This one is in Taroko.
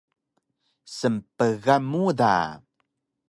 Snpgan mu da